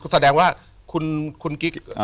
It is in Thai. แสดงว่าคุณกิ๊ก